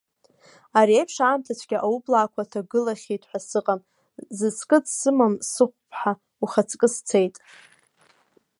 Ари еиԥш аамҭацәгьа аублаақәа ҭагылахьеит ҳәа сыҟам, зыцкы дсымам сыхәԥҳа, ухаҵкы сцеит!